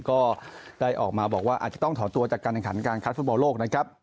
ก็ได้ออกมาบอกว่าอาจจะต้องถอดตัวจากการหันการคัดฟู้ตบอลโลก